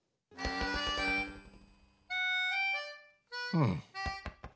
うん。